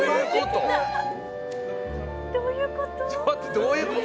どういうこと。